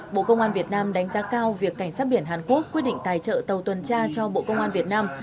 bộ công an việt nam đánh giá cao việc cảnh sát biển hàn quốc quyết định tài trợ tàu tuần tra cho bộ công an việt nam